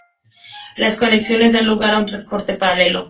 Las conexiones dan lugar a un transporte paralelo.